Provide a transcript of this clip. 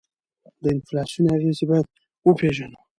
د انفلاسیون اغیزې باید وپیژنو.